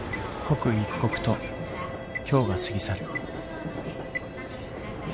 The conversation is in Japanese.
刻一刻と今日が過ぎ去る。